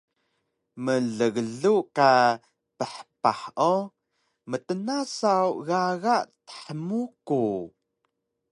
Mlglug ka phpah o mtna saw gaga thmuku